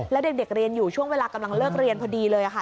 แล้วเด็กเรียนอยู่ช่วงเวลากำลังเลิกเรียนพอดีเลยค่ะ